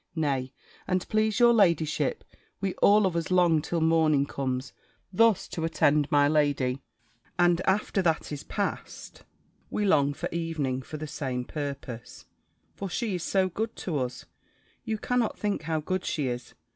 Nay, and please your ladyship, we all of us long till morning comes, thus to attend my lady; and after that is past, we long for evening, for the same purpose: for she is so good to us You cannot think how good she is!